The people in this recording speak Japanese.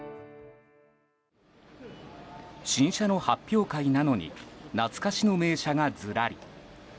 新車の発表会なのに懐かしの名車がずらり。